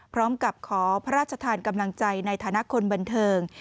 พร้อมกับขอพระราชทานกำลังใจในฐานะคนบันเทิง